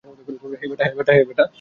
হেই, বেটা।